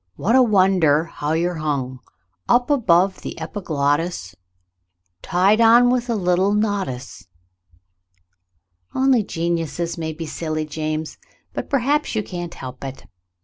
What a wonder how you're hung ! Up above the epiglottis, Tied on with a little knot 'tis.'* "Only geniuses may be silly, James, but perhaps you can't help it.